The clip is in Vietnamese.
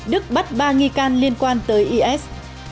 đức bắt ba nghi can liên quan tới is